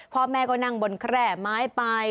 พ่อแม่ก็นั่งบนแคร่ไม้ไป